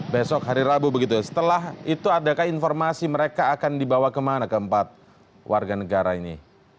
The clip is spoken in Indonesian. besok hari rabu begitu setelah itu adakah informasi mereka akan dibawa kemana keempat warga negara ini